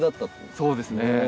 そうですね。